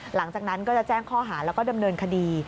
หลังจากนั้นก็จะแจ้งข้อหาแล้วก็ดำเนินคดี